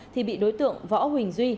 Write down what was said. thì bị đối tượng võ huỳnh duy